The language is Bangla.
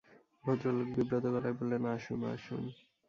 ভদ্রলোক বিব্রত গলায় বললেন, আসুন, আসুন।